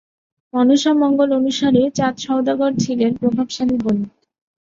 মনসামঙ্গল অনুসারে চাঁদ সওদাগর ছিলেন প্রভাবশালী বণিক।